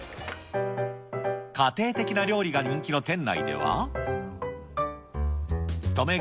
家庭的な料理が人気の店内では。